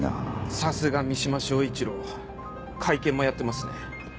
さすが三島彰一郎会見もやってますね。